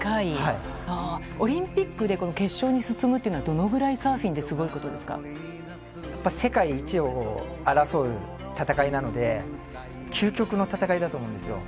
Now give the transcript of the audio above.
オリンピックで決勝に進むというのはどのくらいサーフィンで世界一を争う戦いなので、究極の戦いだと思うんですよ。